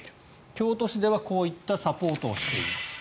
京都市ではこういったサポートをしています。